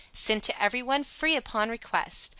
Sent to anyone FREE upon request.